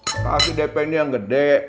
kasih dp ini yang gede